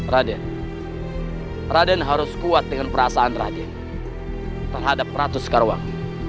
raden raden harus kuat dengan perasaan raden terhadap ratus karawang